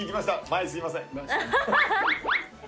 「前すいません」